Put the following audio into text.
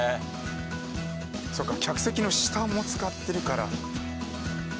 そうか客席の下も使ってるから。